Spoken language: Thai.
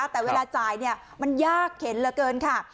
แต่เวลาจ่ายมันยากเข็นเหลือเกินค่ะ